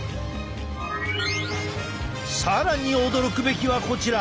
更に驚くべきはこちら！